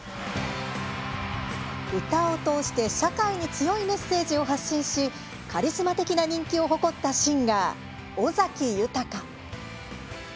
歌を通して社会に強いメッセージを発信しカリスマ的な人気を誇ったシンガー・尾崎豊。